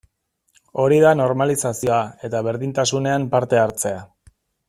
Hori da normalizazioa eta berdintasunean parte hartzea.